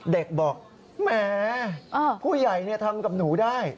เด็กบอกแหมผู้ใหญ่ทำกับหนูได้